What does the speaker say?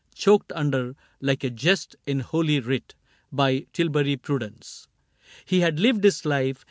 Choked under, like a jest in Holy Writ, By Tilbury prudence. He had lived his life.